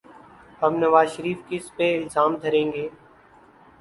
اب نواز شریف کس پہ الزام دھریں گے؟